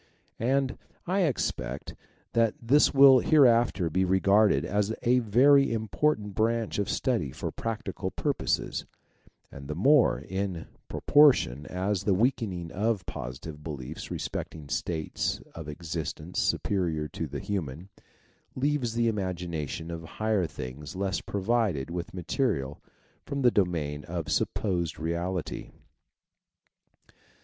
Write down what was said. And, I expect, that this will hereafter be regarded as a very important branch of study for practical purposes, and the more, in proportion as the weakening of positive beliefs respecting states of ex istence superior to the human, leaves the imagination of higher things less provided with material from the domain of supposed reality.